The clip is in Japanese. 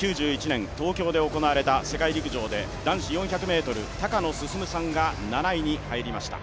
１９９１年、東京で行われた世界陸上で男子４００ｍ、高野進さんが７位に入りました。